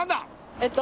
えっと